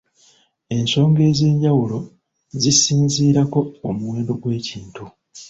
Ensonga ez'enjawulo zisinziirako omuwendo gw'ekintu.